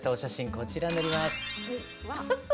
こちらになります。